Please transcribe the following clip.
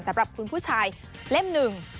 สำหรับคุณผู้ชายเล่มหนึ่ง